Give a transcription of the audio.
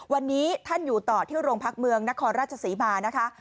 วันนี้ท่านอยู่ต่อที่โรงพักเมืองนครราชศรีมานะคะ